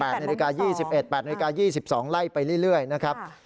เนี่ย๘นาที๒๑นาที๘นาที๒๒นาทีไล่ไปเรื่อยนะครับ